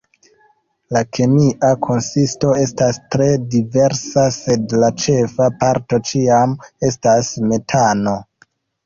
La kemia konsisto estas tre diversa, sed la ĉefa parto ĉiam estas metano.